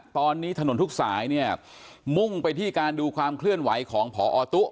ตอนนี้ถนนทุกสายเนี่ยมุ่งไปที่การดูความเคลื่อนไหวของพอตุ๊